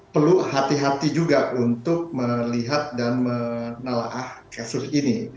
perlu hati hati juga untuk melihat dan menelaah kasus ini